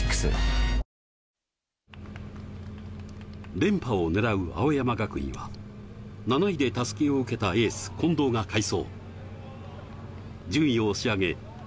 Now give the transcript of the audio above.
連覇を狙う青山学院は、７位で襷を受けたエース・近藤が快走。